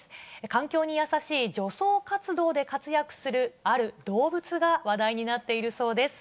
環境に優しい除草活動で活躍するある動物が話題になっているそうです。